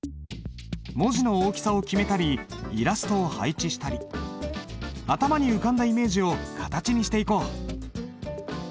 文字の大きさを決めたりイラストを配置したり頭に浮かんだイメージを形にしていこう！